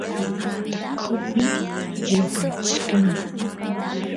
taqopi lloqachkanku